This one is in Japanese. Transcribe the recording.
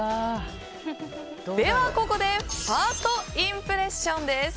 では、ここでファーストインプレッションです。